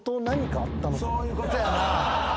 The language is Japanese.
そういうことやな。